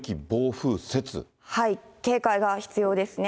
警戒が必要ですね。